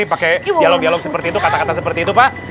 pakai dialog dialog seperti itu kata kata seperti itu pak